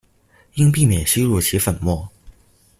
应避免吸入其粉末。